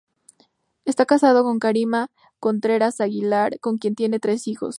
Está casado con Karina Contreras Aguilera, con quien tiene tres hijos.